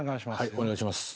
お願いします。